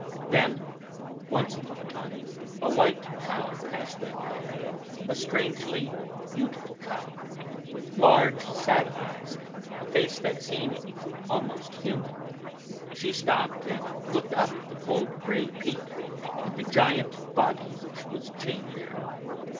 Then, once upon a time, a white cow passed that way, a strangely beautiful cow, with large sad eyes and a face that seemed almost human. She stopped and looked up at the cold gray peak and the giant body which was chained there.